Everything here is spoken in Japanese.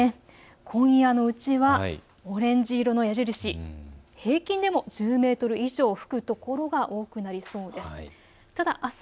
今夜のうちはオレンジ色の矢印、平均でも１０メートル以上吹く所が多くなりそうです。